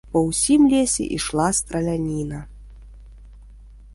Па ўсім лесе ішла страляніна.